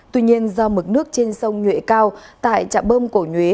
tuy nhiên do mực nước trên sông nhuệ cao tại trạm bơm cổ nhuế